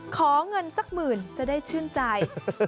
ขอเงินสักหมื่นจะได้ชื่นใจ